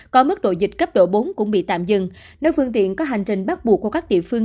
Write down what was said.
có mức độ dịch cấp độ bốn cũng bị tạm dừng nếu phương tiện có hành trình bắt buộc của các địa phương